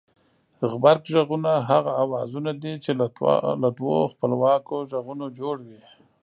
غبرگ غږونه هغه اوازونه دي چې له دوو خپلواکو غږونو جوړ وي